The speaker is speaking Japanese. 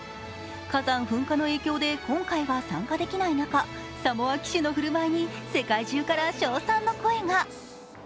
火山噴火の影響で今回は参加できない中、サモア旗手の振る舞いに世界中から称賛の声が。